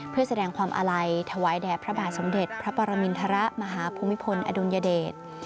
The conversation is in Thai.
เพื่อแสดงความอาลัยถวายแด่พระบาทสมเด็จพระปรมินทรมาฮภูมิพลอดุลยเดช